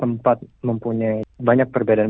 empat mempunyai banyak perbedaan